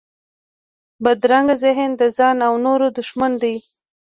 بدرنګه ذهن د ځان او نورو دښمن دی